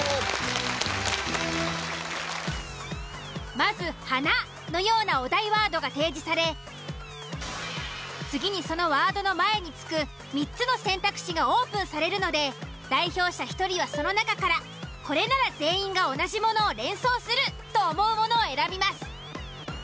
まず「花」のようなお題ワードが提示され次にそのワードの前に付く３つの選択肢がオープンされるので代表者１人はその中からこれなら全員が同じものを連想すると思うものを選びます。